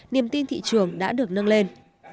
niềm tin thị trường đã được nâng lên